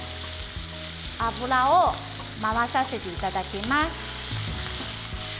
油を回させていただきます。